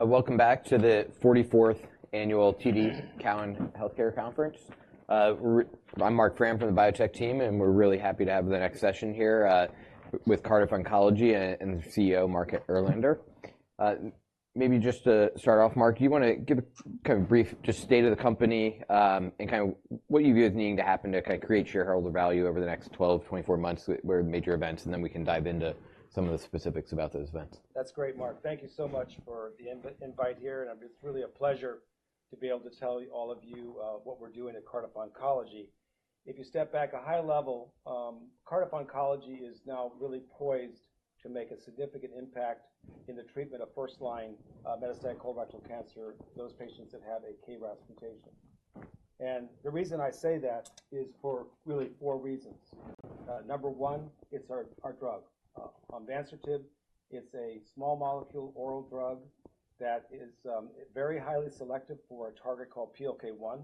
Welcome back to the 44th annual TD Cowen Healthcare Conference. I'm Marc Frahm from the biotech team, and we're really happy to have the next session here with Cardiff Oncology and CEO Mark Erlander. Maybe just to start off, Mark, do you want to give a kind of brief just state of the company and kind of what you view as needing to happen to kind of create shareholder value over the next 12, 24 months where major events, and then we can dive into some of the specifics about those events? That's great, Mark. Thank you so much for the invite here, and it's really a pleasure to be able to tell all of you what we're doing at Cardiff Oncology. If you step back a high level, Cardiff Oncology is now really poised to make a significant impact in the treatment of first-line metastatic colorectal cancer, those patients that have a KRAS mutation. And the reason I say that is for really four reasons. Number one, it's our drug. Onvansertib, it's a small molecule oral drug that is very highly selective for a target called PLK1,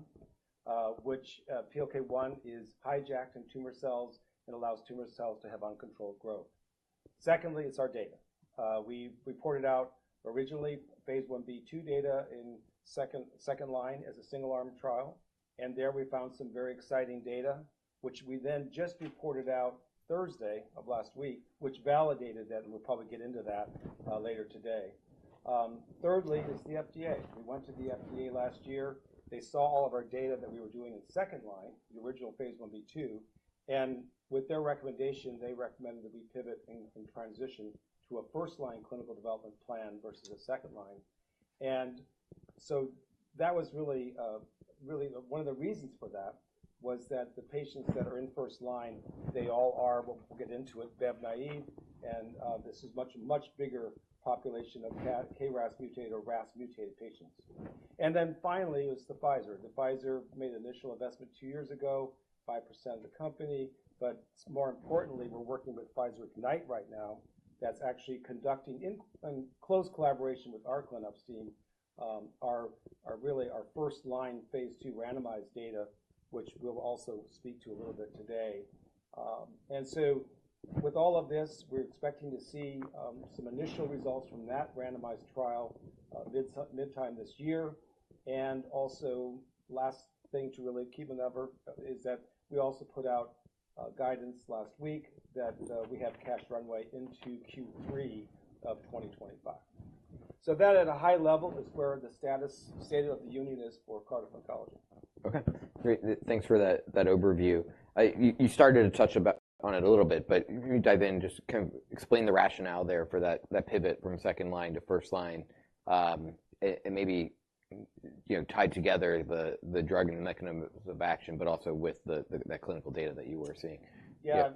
which PLK1 is hijacked in tumor cells and allows tumor cells to have uncontrolled growth. Secondly, it's our data. We reported out originally phase I-B/II data in second line as a single-arm trial, and there we found some very exciting data, which we then just reported out Thursday of last week, which validated that, and we'll probably get into that later today. Thirdly, it's the FDA. We went to the FDA last year. They saw all of our data that we were doing in second line, the original phase I-B/II, and with their recommendation, they recommended that we pivot and transition to a first-line clinical development plan versus a second line. And so that was really one of the reasons for that was that the patients that are in first line, they all are what we'll get into it, bev-naive, and this is a much, much bigger population of KRAS-mutated or RAS-mutated patients. And then finally is the Pfizer. Pfizer made an initial investment two years ago, 5% of the company, but more importantly, we're working with Pfizer Ignite right now that's actually conducting in close collaboration with our clinical team, really our first-line phase II randomized data, which we'll also speak to a little bit today. So with all of this, we're expecting to see some initial results from that randomized trial mid-time this year. Also last thing to really keep in mind is that we also put out guidance last week that we have cash runway into Q3 of 2025. So that at a high level is where the status of the union is for Cardiff Oncology. Okay. Great. Thanks for that overview. You started to touch on it a little bit, but can you dive in and just kind of explain the rationale there for that pivot from second line to first line and maybe tie together the drug and the mechanisms of action, but also with that clinical data that you were seeing? Yeah.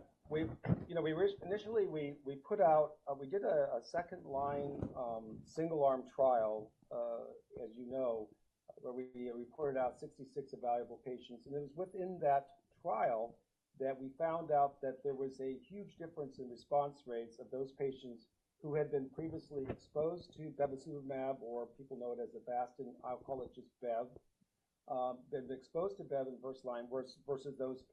Initially, we put out we did a second-line single-arm trial, as you know, where we reported out 66 evaluable patients. And it was within that trial that we found out that there was a huge difference in response rates of those patients who had been previously exposed to bevacizumab, or people know it as Avastin, I'll call it just bev, been exposed to bev in first line versus those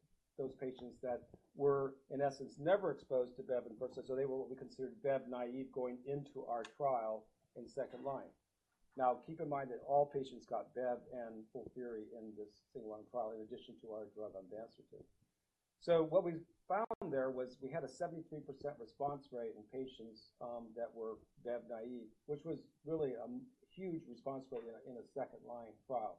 patients that were, in essence, never exposed to bev in first line. So they were what we considered bev-naive going into our trial in second line. Now, keep in mind that all patients got bev and FOLFIRI in this single-arm trial in addition to our drug onvansertib. So what we found there was we had a 73% response rate in patients that were bev-naive, which was really a huge response rate in a second-line trial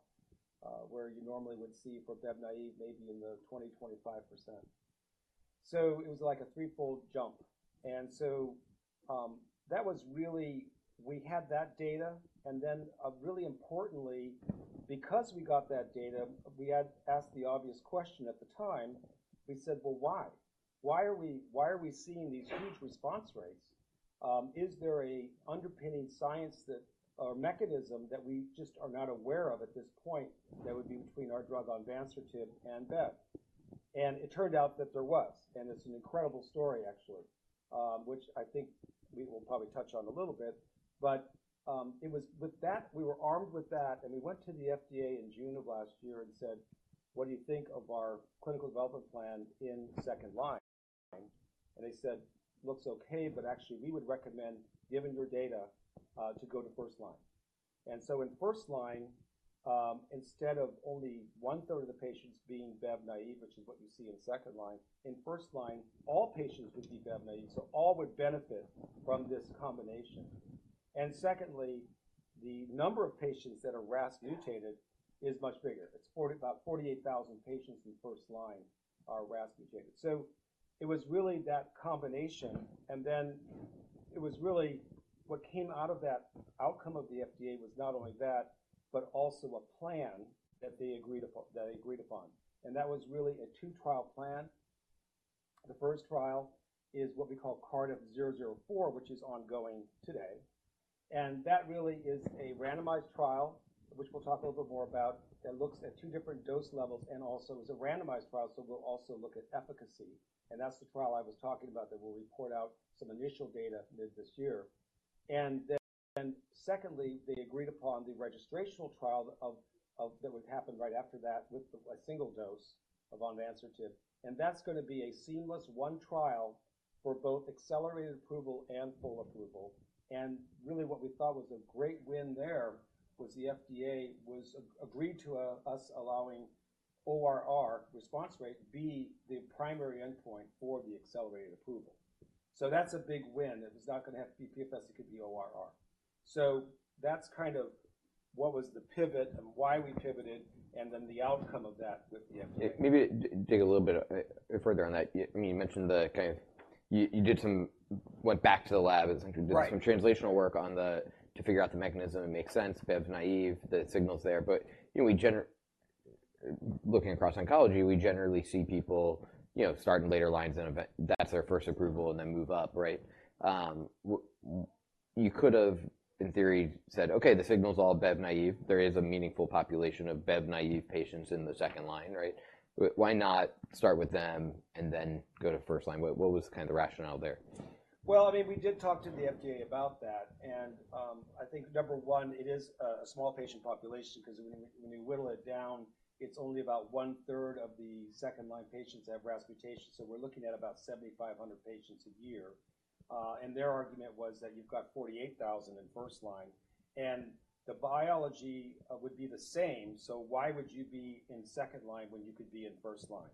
where you normally would see for bev-naive maybe in the 20%-25%. So it was like a threefold jump. And so that was really we had that data. And then really importantly, because we got that data, we asked the obvious question at the time. We said, "Well, why? Why are we seeing these huge response rates? Is there an underpinning science or mechanism that we just are not aware of at this point that would be between our drug onvansertib and bev?" And it turned out that there was. And it's an incredible story, actually, which I think we will probably touch on a little bit. But with that, we were armed with that, and we went to the FDA in June of last year and said, "What do you think of our clinical development plan in second line?" And they said, "Looks okay, but actually we would recommend, given your data, to go to first line." And so in first line, instead of only 1/3 of the patients being bev-naive, which is what you see in second line, in first line, all patients would be bev-naive, so all would benefit from this combination. And secondly, the number of patients that are RAS-mutated is much bigger. It's about 48,000 patients in first line are RAS-mutated. So it was really that combination. And then it was really what came out of that outcome of the FDA was not only that, but also a plan that they agreed upon. And that was really a two-trial plan. The first trial is what we call CRDF-004, which is ongoing today. And that really is a randomized trial, which we'll talk a little bit more about, that looks at two different dose levels and also is a randomized trial, so we'll also look at efficacy. And that's the trial I was talking about that we'll report out some initial data mid this year. And then secondly, they agreed upon the registrational trial that would happen right after that with a single dose of onvansertib. And that's going to be a seamless one trial for both accelerated approval and full approval. And really what we thought was a great win there was the FDA agreed to us allowing ORR, response rate, be the primary endpoint for the accelerated approval. So that's a big win. It was not going to have to be PFS, it could be ORR. So that's kind of what was the pivot and why we pivoted and then the outcome of that with the FDA. Maybe dig a little bit further on that. I mean, you mentioned the kind of you did some went back to the lab. It's like you did some translational work on the to figure out the mechanism and make sense, bev-naive, the signals there. But looking across oncology, we generally see people start in later lines and that's their first approval and then move up, right? You could have, in theory, said, "Okay, the signal's all bev-naive. There is a meaningful population of bev-naive patients in the second line, right? Why not start with them and then go to first line?" What was kind of the rationale there? Well, I mean, we did talk to the FDA about that. And I think, number one, it is a small patient population because when you whittle it down, it's only about 1/3 of the second-line patients have RAS mutation. So we're looking at about 7,500 patients a year. And their argument was that you've got 48,000 in first line. And the biology would be the same. So why would you be in second line when you could be in first line?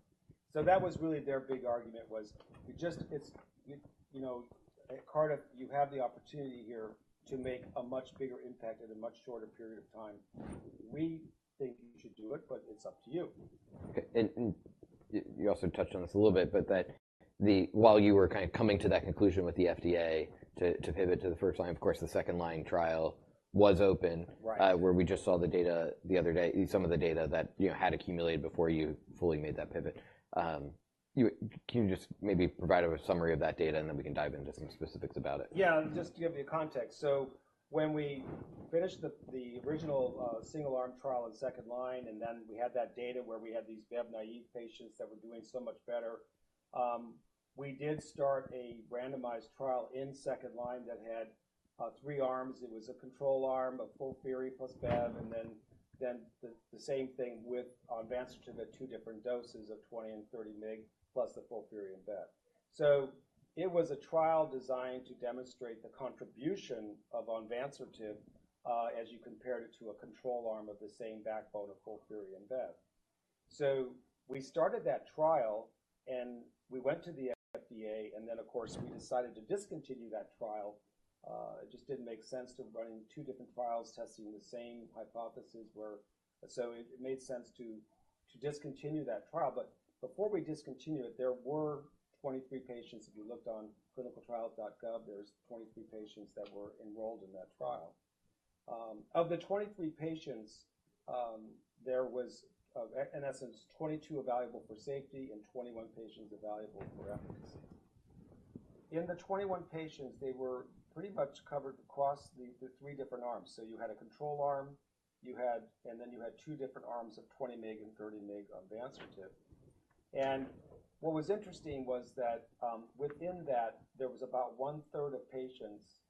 So that was really their big argument was, at Cardiff, you have the opportunity here to make a much bigger impact in a much shorter period of time. We think you should do it, but it's up to you. You also touched on this a little bit, but that while you were kind of coming to that conclusion with the FDA to pivot to the first line, of course, the second-line trial was open where we just saw the data the other day, some of the data that had accumulated before you fully made that pivot. Can you just maybe provide a summary of that data, and then we can dive into some specifics about it? Yeah. Just to give you context, so when we finished the original single-arm trial in second line and then we had that data where we had these bev-naive patients that were doing so much better, we did start a randomized trial in second line that had three arms. It was a control arm, a FOLFIRI plus bev, and then the same thing with onvansertib at two different doses of 20 mg and 30 mg plus the FOLFIRI and bev. So it was a trial designed to demonstrate the contribution of onvansertib as you compare it to a control arm of the same backbone of FOLFIRI and bev. So we started that trial, and we went to the FDA, and then, of course, we decided to discontinue that trial. It just didn't make sense to run two different trials testing the same hypothesis. So it made sense to discontinue that trial. But before we discontinued it, there were 23 patients. If you looked on ClinicalTrials.gov, there's 23 patients that were enrolled in that trial. Of the 23 patients, there was, in essence, 22 evaluable for safety and 21 patients evaluable for efficacy. In the 21 patients, they were pretty much covered across the three different arms. So you had a control arm, and then you had two different arms of 20 mg and 30 mg onvansertib. And what was interesting was that within that, there was about 1/3 of patients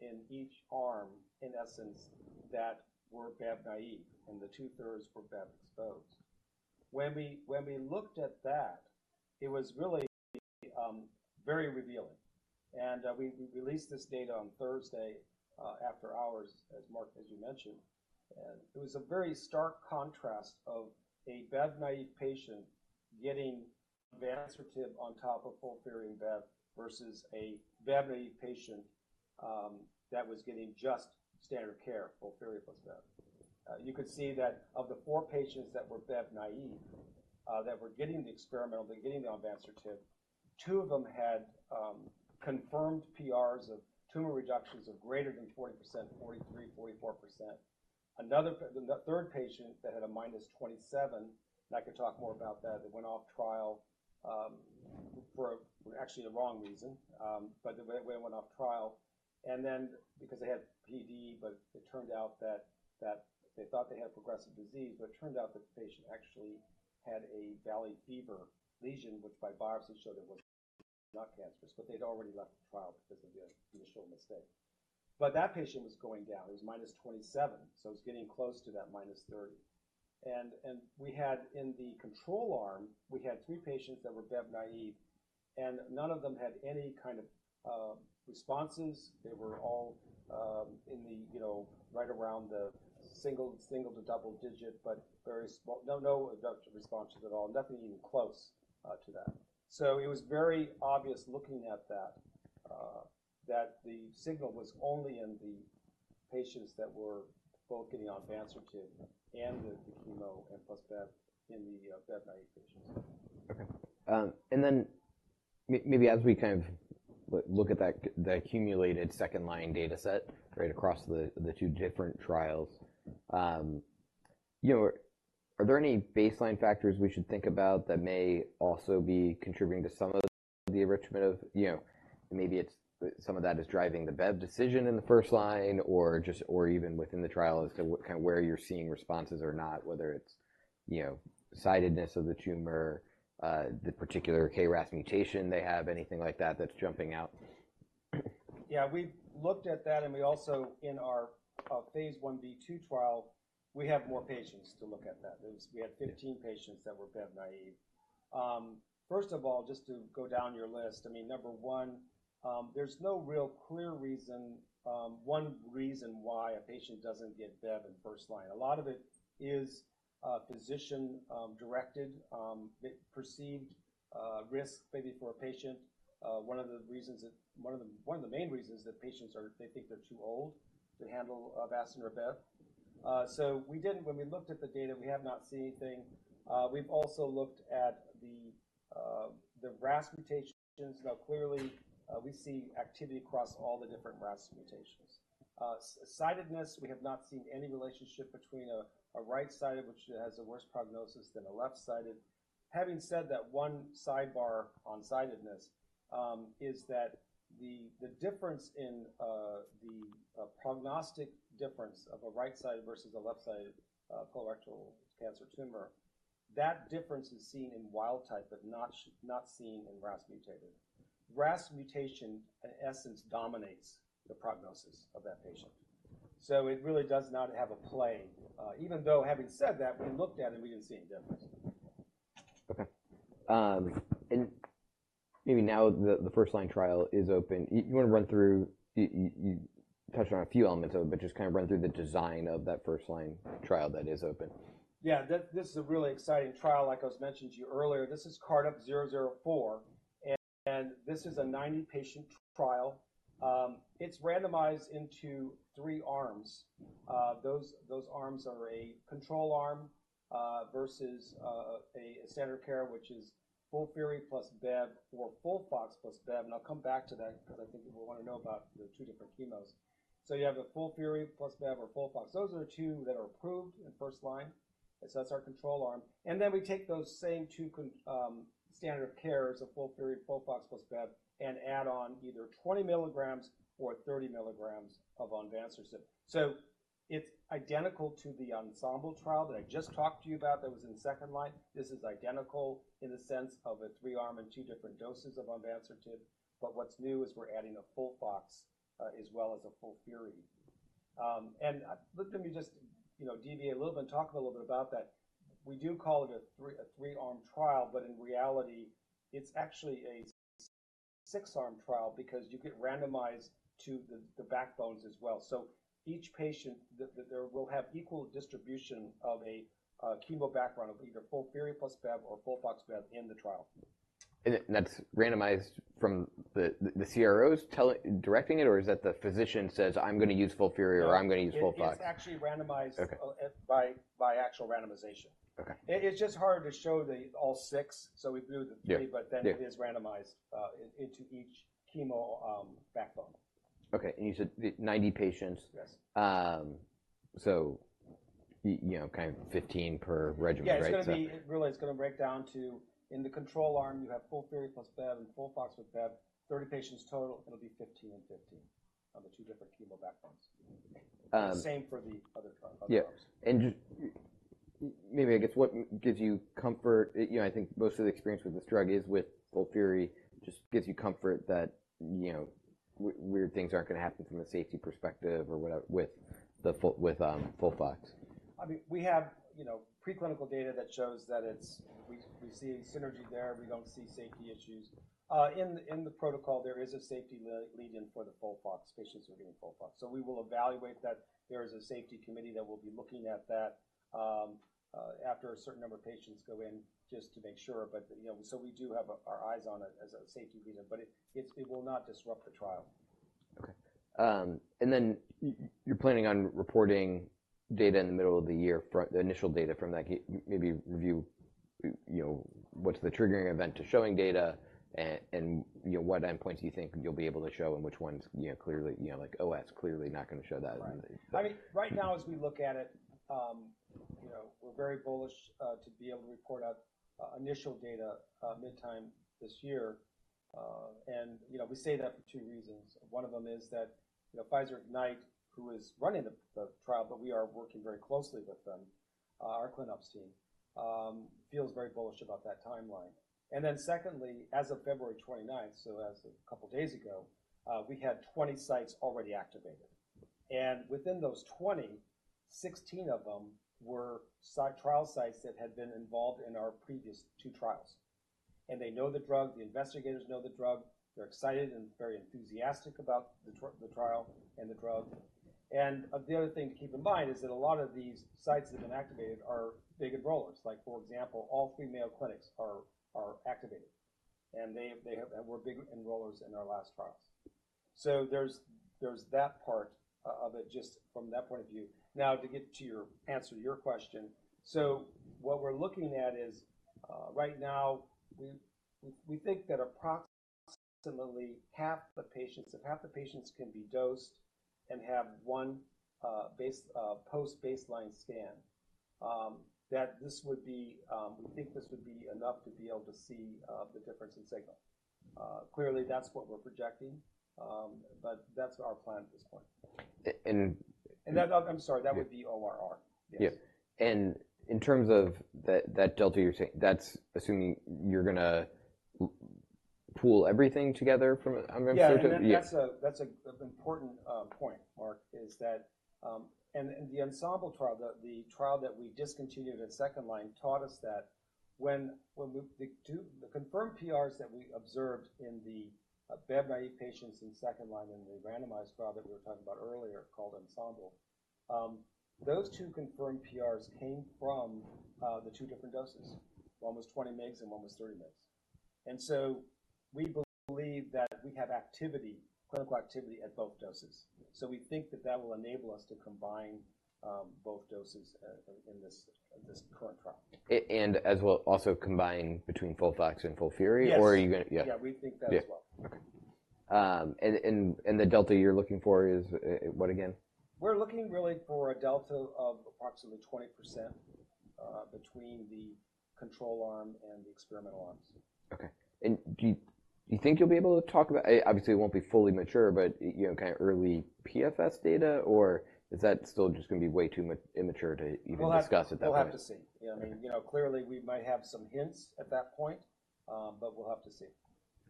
in each arm, in essence, that were bev-naive, and the 2/3 were bev exposed. When we looked at that, it was really very revealing. And we released this data on Thursday after hours, as you mentioned. It was a very stark contrast of a bev-naive patient getting onvansertib on top of FOLFIRI and bev versus a bev-naive patient that was getting just standard care, FOLFIRI plus bev. You could see that of the four patients that were bev-naive that were getting the experimental, they're getting the onvansertib, two of them had confirmed PRs of tumor reductions of greater than 40%, 43%, 44%. The third patient that had a -27%, and I could talk more about that, that went off trial for actually the wrong reason, but they went off trial because they had PD, but it turned out that they thought they had progressive disease, but it turned out that the patient actually had a valley fever lesion, which by biopsy showed it was not cancerous, but they'd already left the trial because of the initial mistake. But that patient was going down. It was -27%, so it was getting close to that -30%. And in the control arm, we had three patients that were bev-naive, and none of them had any kind of responses. They were all right around the single to double-digit, but no response at all, nothing even close to that. So it was very obvious looking at that that the signal was only in the patients that were both getting onvansertib and the chemo and plus bev in the bev-naive patients. Okay. And then maybe as we kind of look at that accumulated second-line dataset, right, across the two different trials, are there any baseline factors we should think about that may also be contributing to some of the enrichment of maybe some of that is driving the bev decision in the first line or even within the trial as to kind of where you're seeing responses or not, whether it's sidedness of the tumor, the particular KRAS mutation they have, anything like that that's jumping out? Yeah. We looked at that, and we also, in our phase I-B/II trial, have more patients to look at that. We had 15 patients that were bev-naive. First of all, just to go down your list, I mean, number one, there's no real clear reason, one reason why a patient doesn't get bev in first line. A lot of it is physician-directed. They perceived risk maybe for a patient. One of the reasons, one of the main reasons that patients are—they think they're too old to handle Avastin or bev. So when we looked at the data, we have not seen anything. We've also looked at the RAS mutations. Now, clearly, we see activity across all the different RAS mutations. Sidedness, we have not seen any relationship between a right-sided, which has a worse prognosis than a left-sided. Having said that, one sidebar on sidedness is that the difference in the prognostic difference of a right-sided versus a left-sided colorectal cancer tumor, that difference is seen in wild type, but not seen in RAS-mutated. RAS mutation, in essence, dominates the prognosis of that patient. So it really does not have a play. Even though, having said that, we looked at it, we didn't see any difference. Okay. Maybe now the first-line trial is open. You want to run through? You touched on a few elements of it, but just kind of run through the design of that first-line trial that is open. Yeah. This is a really exciting trial, like I was mentioning to you earlier. This is CRDF-004, and this is a 90-patient trial. It's randomized into three arms. Those arms are a control arm versus a standard care, which is FOLFIRI plus bev or FOLFOX plus bev. And I'll come back to that because I think we want to know about the two different chemos. So you have a FOLFIRI plus bev or FOLFOX. Those are the two that are approved in first line. So that's our control arm. And then we take those same two standard of cares, a FOLFIRI and FOLFOX plus bev, and add on either 20 mg or 30 mg of onvansertib. So it's identical to the ONSEMBLE trial that I just talked to you about that was in second line. This is identical in the sense of a three-arm and two different doses of onvansertib. But what's new is we're adding a FOLFOX as well as a FOLFIRI. And let me just deviate a little bit and talk a little bit about that. We do call it a three-arm trial, but in reality, it's actually a six-arm trial because you get randomized to the backbones as well. So each patient, there will have equal distribution of a chemo background of either FOLFIRI plus bev or FOLFOX bev in the trial. That's randomized from the CROs directing it, or is that the physician says, "I'm going to use FOLFIRI," or, "I'm going to use FOLFOX"? It's actually randomized by actual randomization. It's just harder to show the all six, so we blew the three, but then it is randomized into each chemo backbone. Okay. You said 90 patients, so kind of 15 per regimen, right? Yeah. Really, it's going to break down to in the control arm, you have FOLFIRI plus bev and FOLFOX with bev, 30 patients total. It'll be 15 and 15 of the two different chemo backbones. Same for the other arms. Yeah. And maybe, I guess, what gives you comfort? I think most of the experience with this drug is with FOLFIRI. Just gives you comfort that weird things aren't going to happen from a safety perspective or whatever with FOLFOX. I mean, we have preclinical data that shows that we see synergy there. We don't see safety issues. In the protocol, there is a safety lead-in for the FOLFOX patients who are getting FOLFOX. So we will evaluate that. There is a safety committee that will be looking at that after a certain number of patients go in just to make sure. So we do have our eyes on it as a safety lead-in, but it will not disrupt the trial. Okay. And then you're planning on reporting data in the middle of the year, the initial data from that. Maybe review what's the triggering event to showing data, and what endpoints do you think you'll be able to show and which ones clearly like OS, clearly not going to show that? I mean, right now, as we look at it, we're very bullish to be able to report out initial data mid-year this year. And we say that for two reasons. One of them is that Pfizer Ignite, who is running the trial, but we are working very closely with them, our clin-ops team, feels very bullish about that timeline. And then secondly, as of February 29th, so that's a couple of days ago, we had 20 sites already activated. And within those 20, 16 of them were trial sites that had been involved in our previous two trials. And they know the drug. The investigators know the drug. They're excited and very enthusiastic about the trial and the drug. And the other thing to keep in mind is that a lot of these sites that have been activated are big enrollers. For example, all three Mayo Clinics are activated, and they were big enrollers in our last trials. So there's that part of it just from that point of view. Now, to get to your answer to your question, so what we're looking at is right now, we think that approximately half the patients if half the patients can be dosed and have one post-baseline scan, that this would be we think this would be enough to be able to see the difference in signal. Clearly, that's what we're projecting, but that's our plan at this point. And I'm sorry, that would be ORR. Yes. Yeah. In terms of that delta, that's assuming you're going to pool everything together from onvansertib? Yeah. And that's an important point, Mark, is that and the ONSEMBLE trial, the trial that we discontinued in second-line taught us that when the confirmed PRs that we observed in the bev-naive patients in second-line in the randomized trial that we were talking about earlier called ONSEMBLE, those two confirmed PRs came from the two different doses. One was 20 mg and one was 30 mg. And so we believe that we have activity, clinical activity, at both doses. So we think that that will enable us to combine both doses in this current trial. As well also combine between FOLFOX and FOLFIRI, or are you going to? Yes. Yeah. We think that as well. Yeah. Okay. And the delta you're looking for is what again? We're looking really for a delta of approximately 20% between the control arm and the experimental arms. Okay. And do you think you'll be able to talk about obviously, it won't be fully mature, but kind of early PFS data, or is that still just going to be way too immature to even discuss at that point? Well, we'll have to see. I mean, clearly, we might have some hints at that point, but we'll have to see.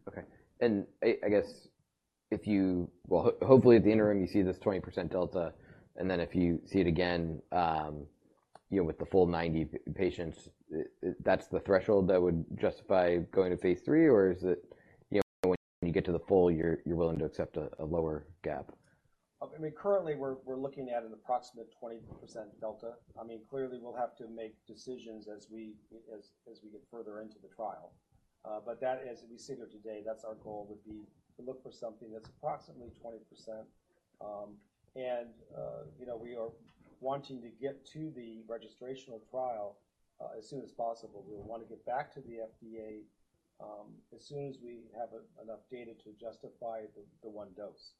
Okay. And I guess if, well, hopefully, at the interim, you see this 20% delta. And then if you see it again with the full 90 patients, that's the threshold that would justify going to phase III, or is it when you get to the full, you're willing to accept a lower gap? I mean, currently, we're looking at an approximate 20% delta. I mean, clearly, we'll have to make decisions as we get further into the trial. But as we sit here today, that's our goal would be to look for something that's approximately 20%. And we are wanting to get to the registrational trial as soon as possible. We'll want to get back to the FDA as soon as we have enough data to justify the one dose.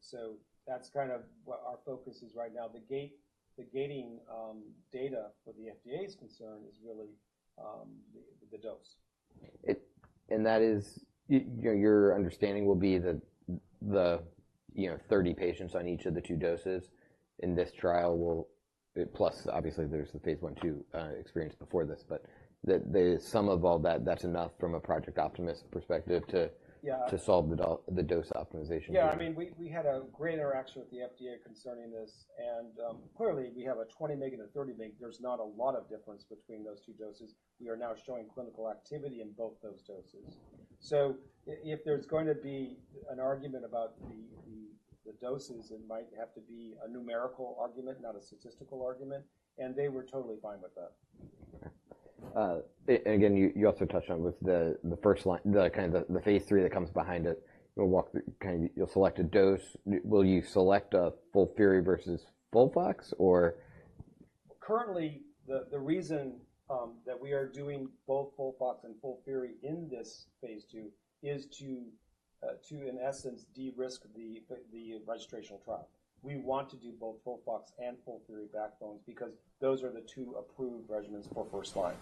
So that's kind of what our focus is right now. The gating data for the FDA's concern is really the dose. Your understanding will be that the 30 patients on each of the two doses in this trial will, plus, obviously, there's the phase I/II experience before this. But the sum of all that, that's enough from a Project Optimus perspective to solve the dose optimization? Yeah. I mean, we had a great interaction with the FDA concerning this. Clearly, we have a 20 mg and a 30 mg. There's not a lot of difference between those two doses. We are now showing clinical activity in both those doses. So if there's going to be an argument about the doses, it might have to be a numerical argument, not a statistical argument. They were totally fine with that. Okay. And again, you also touched on with the first line, the kind of the phase III that comes behind it, you'll walk through kind of you'll select a dose. Will you select a FOLFIRI versus FOLFOX, or? Currently, the reason that we are doing both FOLFOX and FOLFIRI in this phase II is to, in essence, de-risk the registrational trial. We want to do both FOLFOX and FOLFIRI backbones because those are the two approved regimens for first-line.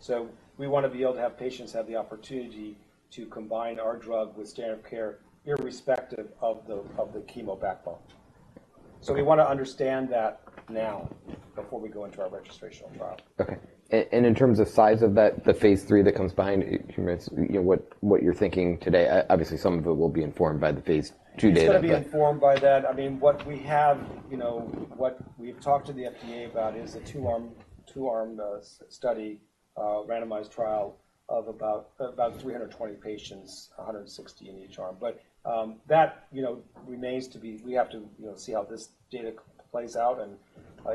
So we want to be able to have patients have the opportunity to combine our drug with standard of care irrespective of the chemo backbone. So we want to understand that now before we go into our registrational trial. Okay. In terms of size of that, the phase III that comes behind, what you're thinking today, obviously, some of it will be informed by the phase II data that comes out. It's going to be informed by that. I mean, what we've talked to the FDA about is a two-arm study, randomized trial of about 320 patients, 160 in each arm. But that remains to be. We have to see how this data plays out. And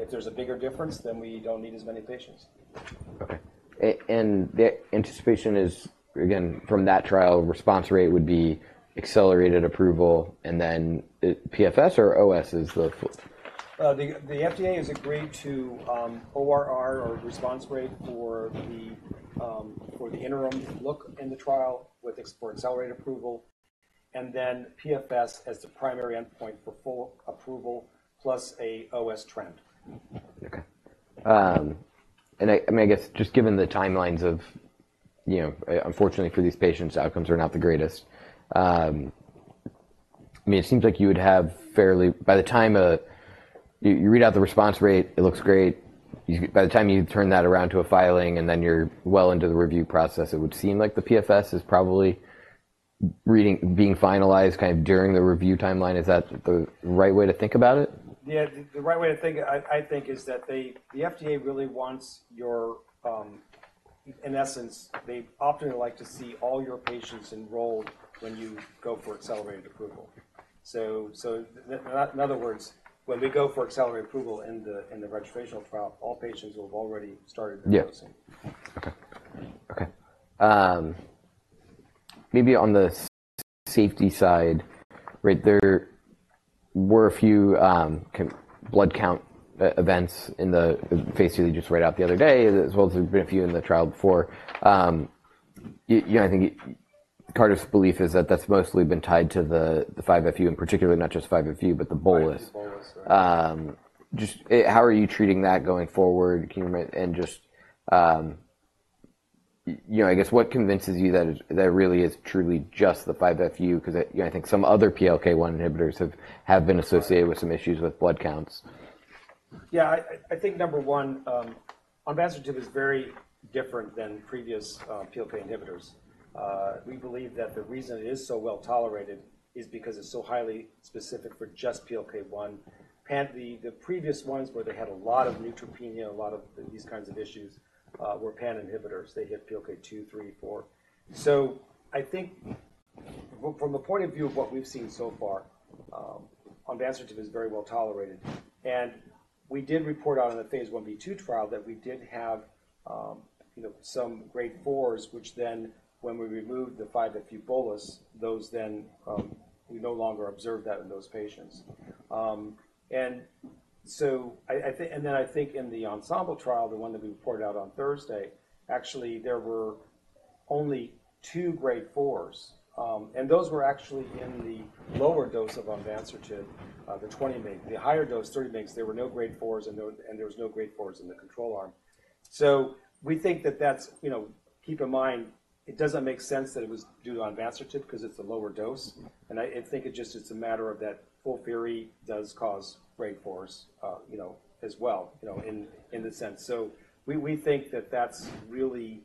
if there's a bigger difference, then we don't need as many patients. Okay. And the anticipation is, again, from that trial, response rate would be accelerated approval, and then PFS or OS is the? The FDA has agreed to ORR or response rate for the interim look in the trial for accelerated approval, and then PFS as the primary endpoint for full approval plus a OS trend. Okay. And I mean, I guess just given the timelines of, unfortunately, for these patients, outcomes are not the greatest. I mean, it seems like you would have fairly by the time you read out the response rate, it looks great. By the time you turn that around to a filing and then you're well into the review process, it would seem like the PFS is probably being finalized kind of during the review timeline. Is that the right way to think about it? Yeah. The right way to think, I think, is that the FDA really wants your in essence, they often like to see all your patients enrolled when you go for accelerated approval. So in other words, when we go for accelerated approval in the registrational trial, all patients will have already started their dosing. Yeah. Okay. Okay. Maybe on the safety side, right, there were a few blood count events in the phase II that you just read out the other day, as well as there've been a few in the trial before. I think Cardiff's belief is that that's mostly been tied to the 5-FU in particular, not just 5-FU, but the bolus. Yeah. The bolus, right. Just how are you treating that going forward? And just, I guess, what convinces you that it really is truly just the 5-FU? Because I think some other PLK1 inhibitors have been associated with some issues with blood counts. Yeah. I think, number one, onvansertib is very different than previous PLK inhibitors. We believe that the reason it is so well tolerated is because it's so highly specific for just PLK1. The previous ones where they had a lot of neutropenia, a lot of these kinds of issues, were pan-inhibitors. They hit PLK2, 3, 4. So I think from the point of view of what we've seen so far, onvansertib is very well tolerated. And we did report out in the phase I-B/II trial that we did have some grade 4s, which then when we removed the 5-FU bolus, those then we no longer observed that in those patients. And then I think in the ensemble trial, the one that we reported out on Thursday, actually, there were only two grade 4s. And those were actually in the lower dose of onvansertib, the 20 mg. The higher dose, 30 mg, there were no grade 4s, and there was no grade 4s in the control arm. So we think that that's, keep in mind, it doesn't make sense that it was due to onvansertib because it's a lower dose. And I think it just is a matter of that FOLFIRI does cause grade 4s as well in the sense. So we think that that's really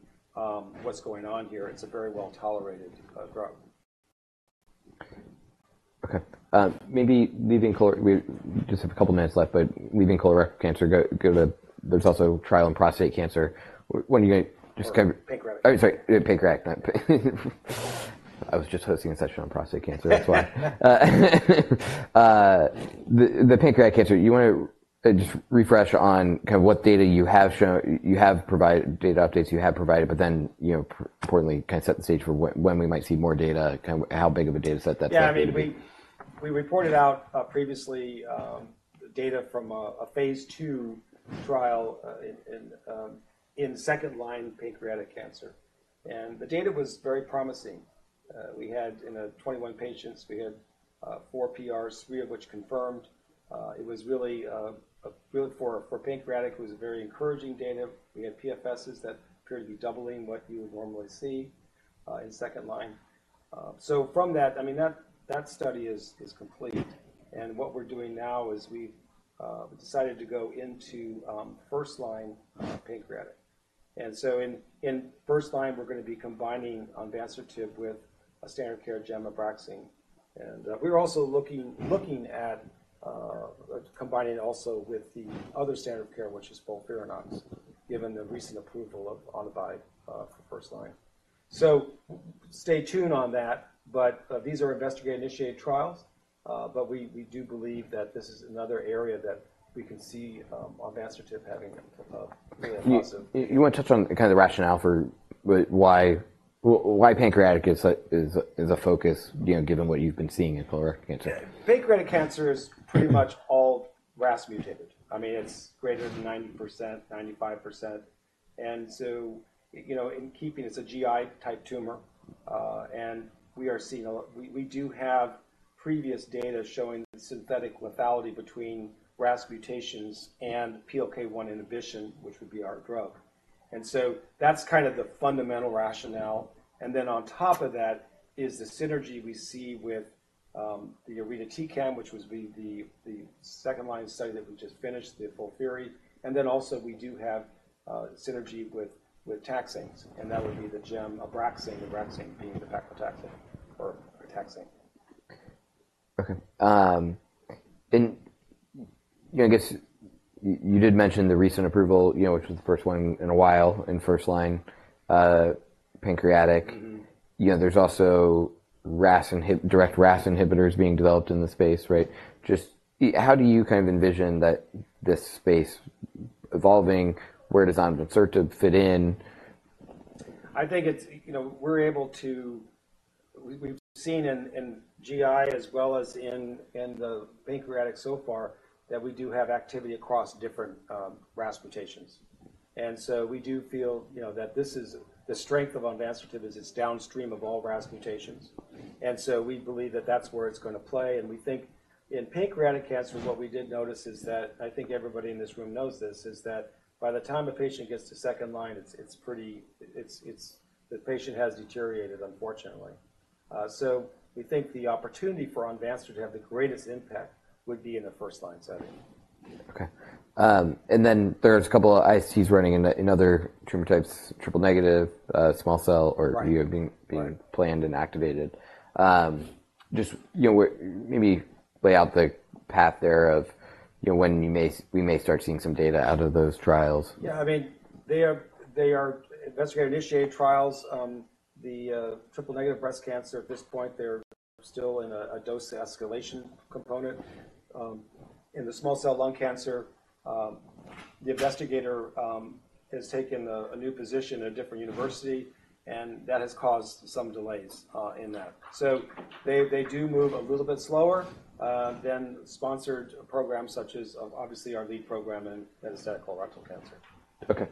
what's going on here. It's a very well-tolerated drug. Okay. Maybe leaving colorectal, we just have a couple of minutes left, but leaving colorectal cancer, go to, there's also a trial in prostate cancer. When are you going to just kind of? Pancreatic. Oh, sorry. Pancreatic. I was just hosting a session on prostate cancer. That's why. The pancreatic cancer, you want to just refresh on kind of what data you have shown you have provided data updates you have provided, but then importantly, kind of set the stage for when we might see more data, kind of how big of a dataset that's going to be? Yeah. I mean, we reported out previously data from a phase II trial in second-line pancreatic cancer. The data was very promising. In 21 patients, we had four PRs, three of which confirmed. It was really for pancreatic, it was very encouraging data. We had PFSs that appeared to be doubling what you would normally see in second-line. So from that, I mean, that study is complete. What we're doing now is we've decided to go into first-line pancreatic. In first line, we're going to be combining onvansertib with a standard of care Gem/Abraxane. We're also looking at combining also with the other standard of care, which is FOLFIRINOX, given the recent approval of Onivyde for first line. So stay tuned on that. But these are investigator-initiated trials. We do believe that this is another area that we can see onvansertib having really a positive. You want to touch on kind of the rationale for why pancreatic is a focus given what you've been seeing in colorectal cancer? Yeah. Pancreatic cancer is pretty much all RAS-mutated. I mean, it's greater than 90%, 95%. And so in keeping it's a GI-type tumor. And we are seeing a lot we do have previous data showing synthetic lethality between RAS mutations and PLK1 inhibition, which would be our drug. And so that's kind of the fundamental rationale. And then on top of that is the synergy we see with the irinotecan, which was the second line study that we just finished, the FOLFIRI. And then also, we do have synergy with taxanes. And that would be the Gem/Abraxane, the Abraxane being the paclitaxel or taxane. Okay. I guess you did mention the recent approval, which was the first one in a while in first-line pancreatic. There's also direct RAS inhibitors being developed in the space, right? Just how do you kind of envision this space evolving? Where does onvansertib fit in? I think we're able to we've seen in GI as well as in the pancreatic so far that we do have activity across different RAS mutations. And so we do feel that this is the strength of onvansertib is it's downstream of all RAS mutations. And so we believe that that's where it's going to play. And we think in pancreatic cancer, what we did notice is that I think everybody in this room knows this, is that by the time a patient gets to second line, it's pretty the patient has deteriorated, unfortunately. So we think the opportunity for onvansertib to have the greatest impact would be in the first line setting. Okay. And then there's a couple of IITs running in other tumor types, triple negative, small cell, that you have planned and activated. Just maybe lay out the path there of when we may start seeing some data out of those trials. Yeah. I mean, they are investigator-initiated trials. The triple negative breast cancer, at this point, they're still in a dose escalation component. In the small cell lung cancer, the investigator has taken a new position at a different university, and that has caused some delays in that. So they do move a little bit slower than sponsored programs such as, obviously, our lead program in metastatic colorectal cancer. Okay.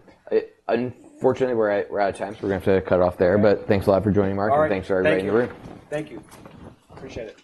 Unfortunately, we're out of time. We're going to have to cut off there. Thanks a lot for joining, Mark. Thanks for everybody in the room. All right. Thank you. Thank you. Appreciate it.